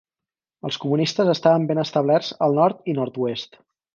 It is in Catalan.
Els comunistes estaven ben establerts al nord i nord-oest.